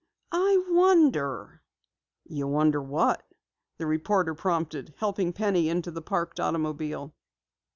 I wonder " "You wonder what?" the reporter prompted, helping Penny into the parked automobile.